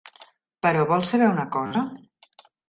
Però, vols saber una cosa?